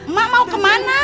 mak mau kemana